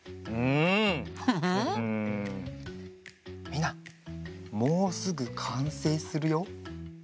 みんなもうすぐかんせいするよ。